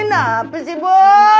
kenapa sih bu